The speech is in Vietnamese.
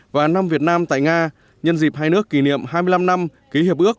và năm việt nam tại nga nhân dịp hai nước kỷ niệm hai mươi năm năm ký hiệp ước